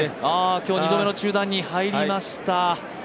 今日、２度目の中断に入りました。